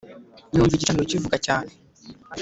Numva igicaniro kivuga cyane